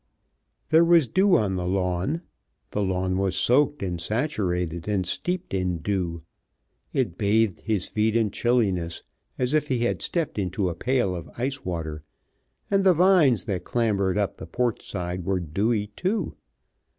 There was dew on the lawn. The lawn was soaked and saturated and steeped in dew. It bathed his feet in chilliness, as if he had stepped into a pail of ice water, and the vines that clambered up the porch side were dewy too.